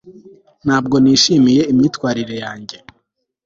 ntabwo nishimiye imyitwarire yanjye